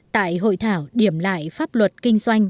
tại hội thảo điểm lại pháp luật kinh doanh